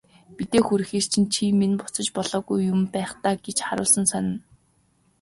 Мэдээ хүргэхээр чи минь буцаж болоогүй юм байх даа гэж харуусан санана.